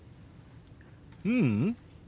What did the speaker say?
ううん。